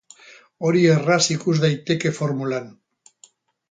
Hori erraz ikus daiteke formulan.